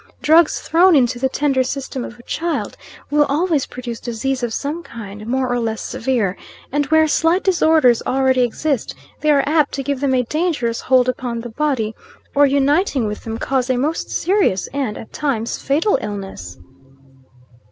Drugs thrown into the tender system of a child, will always produce disease of some kind, more or less severe; and where slight disorders already exist, they are apt to give them a dangerous hold upon the body, or, uniting with them, cause a most serious, and, at times, fatal illness."